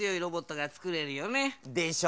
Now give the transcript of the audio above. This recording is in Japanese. でしょ？